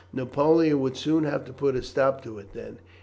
Napoleon would soon have put a stop to it then.